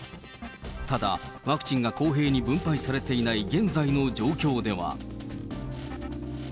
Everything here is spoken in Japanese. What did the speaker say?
ただワクチンが公平に分配されていない現在の状況では。